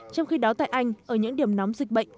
trong khi đó tại anh ở những điểm nóng dịch bệnh